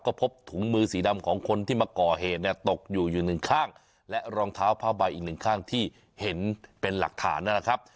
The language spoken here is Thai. ก็พบถุงมือสีดำของคนที่มาก่อเหตุเนี่ยตกอยู่อยู่หนึ่งข้างและรองเท้าผ้าใบอีกหนึ่งข้างที่เห็นเป็นหลักฐานนะครับ